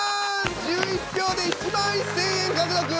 １１票で１万１，０００円獲得。